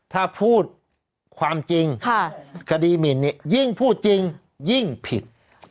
ถ้าพูดความจริงคดีหมินเนี่ยยิ่งพูดจริงยิ่งผิด